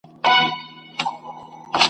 زه د وینو له سېلابه نن تازه یمه راغلی `